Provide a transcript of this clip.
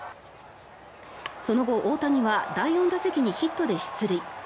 その後、大谷は第４打席にヒットで出塁。